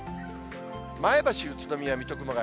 前橋、宇都宮、水戸、熊谷。